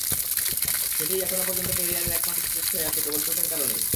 সেটিই এখনো পর্যন্ত ক্যারিয়ারের একমাত্র টেস্ট হয়ে আছে কেবল চোটের কারণেই।